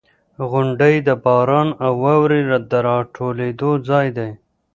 • غونډۍ د باران او واورې د راټولېدو ځای دی.